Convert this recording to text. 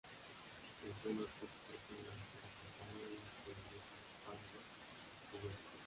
En zonas poco profundas la castañuela coloniza fangos descubiertos.